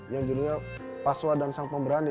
yang judulnya paswa dan sang pemberani